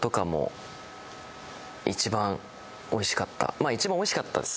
まあ一番美味しかったです